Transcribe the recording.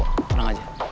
udah nang aja